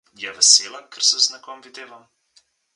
Je vesela, ker se z nekom videvam?